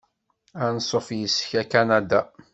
Ansuf yis-k ar Kanada!